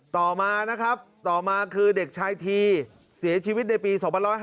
ต่อมานะครับต่อมาคือเด็กชายทีเสียชีวิตในปี๒๕๕๙